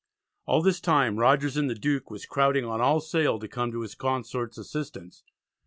All this time Rogers in the Duke was crowding on all sail to come to his consorts' assistance.